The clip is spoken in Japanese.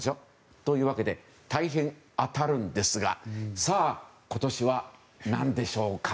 というわけで大変、当たるんですがさあ、今年は何でしょうか。